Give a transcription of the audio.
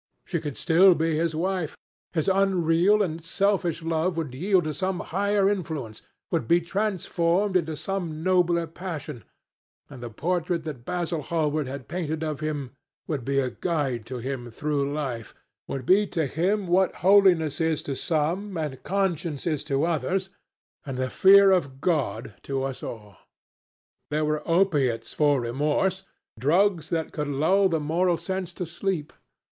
She could still be his wife. His unreal and selfish love would yield to some higher influence, would be transformed into some nobler passion, and the portrait that Basil Hallward had painted of him would be a guide to him through life, would be to him what holiness is to some, and conscience to others, and the fear of God to us all. There were opiates for remorse, drugs that could lull the moral sense to sleep.